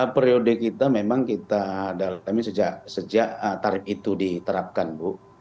periode kita memang kita tapi sejak tarif itu diterapkan bu